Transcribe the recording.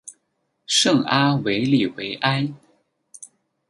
圣阿维里维埃。